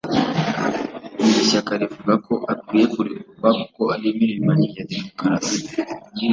Iri shyaka rivuga ko akwiye kurekurwa kuko ari impirimbanyi ya demukarasi